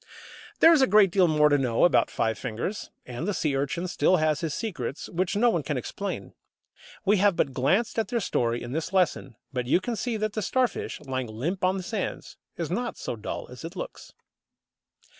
There is a great deal more to know about Five fingers; and the Sea urchin still has his secrets which no one can explain. We have but glanced at their story in this lesson; but you can see that the Starfish, lying limp on the sands, is not so dull as it looks.